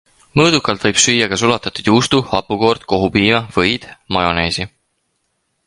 Mõõdukalt võib süüa ka sulatatud juustu, hapukoort, kohupiima, võid, majoneesi.